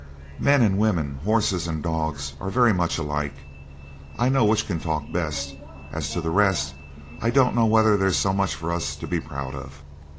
Men and women, horses and dogs, are very much alike. I know which can talk best. As to the rest, I don't know whether there's so much for us to be proud of.